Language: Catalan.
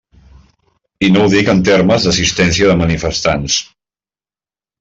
I no ho dic en termes d'assistència de manifestants.